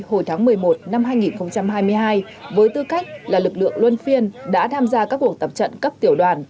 hồi tháng một mươi một năm hai nghìn hai mươi hai với tư cách là lực lượng luân phiên đã tham gia các cuộc tập trận cấp tiểu đoàn